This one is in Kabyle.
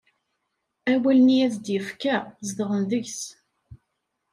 Awalen i as-d-yefka zedɣen deg-s.